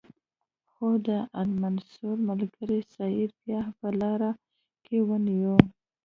خو د المنصور ملګرو سید بیا په لاره کې ونیو.